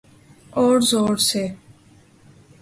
أور زور سے۔